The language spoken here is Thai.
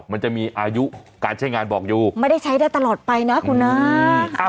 มันจะมีอายุการใช้งานบอกอยู่ไม่ได้ใช้ได้ตลอดไปนะคุณนะ